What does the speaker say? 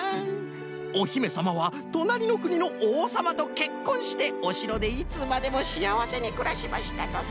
「おひめさまはとなりのくにのおうさまとけっこんしておしろでいつまでもしあわせにくらしましたとさ」。